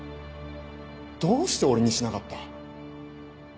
どうして俺にしなかった？